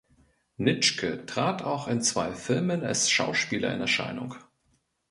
Nitschke trat auch in zwei Filmen als Schauspieler in Erscheinung.